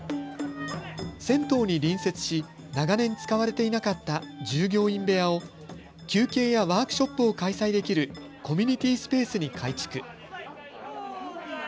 銭湯に隣接し長年使われていなかった従業員部屋を休憩やワークショップを開催できるコミュニティースペースに改築。